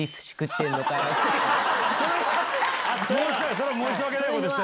それは申し訳ないことした。